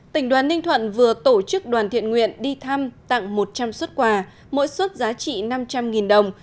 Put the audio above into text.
tỉnh đoàn ninh thuận vừa tổ chức đoàn thiện nguyện đi thăm tặng một trăm linh xuất quà mỗi xuất giá trị năm trăm linh đồng